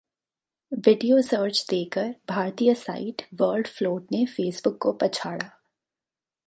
video search देकर भारतीय site वर्ल्डफ्लोट ने फेसबुक को पछाड़ा